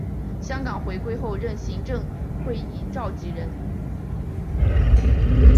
香港回归后任行政会议召集人。